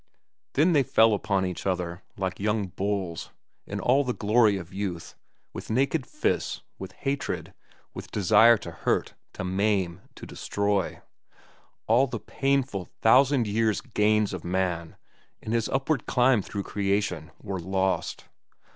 Then they fell upon each other, like young bulls, in all the glory of youth, with naked fists, with hatred, with desire to hurt, to maim, to destroy. All the painful, thousand years' gains of man in his upward climb through creation were lost.